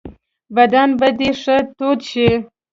بدن به دي ښه تود شي .